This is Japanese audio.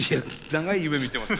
長い夢見てますね。